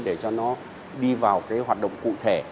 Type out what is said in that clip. để cho nó đi vào cái hoạt động cụ thể